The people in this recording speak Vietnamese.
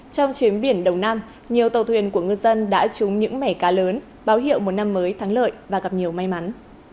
trong chuyến biển đồng nam nhiều tàu thuyền của ngư dân đã trúng những mẻ cá lớn báo hiệu một năm mới thắng lợi và gặp nhiều may mắn